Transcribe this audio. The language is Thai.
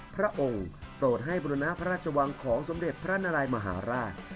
พระองค์โปรดให้บุรณะพระราชวังของสมเด็จพระนารายมหาราช